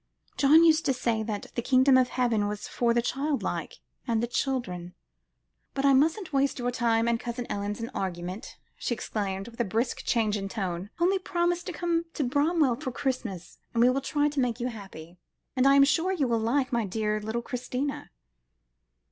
"John used to say that the Kingdom of Heaven was for the child like, and the children. But I mustn't waste your time and Cousin Ellen's in argument," she exclaimed, with a brisk change of tone; "only promise to come to Bramwell for Christmas, and we will try to make you happy. And I am sure you will like my dear little Christina."